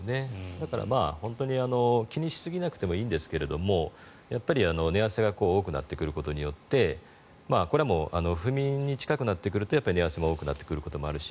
だから気にしすぎなくてもいいんですがやっぱり寝汗が多くなってくることによってこれは不眠に近くなってくると寝汗が多くなってくることもあるし